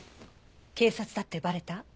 警察だってバレた？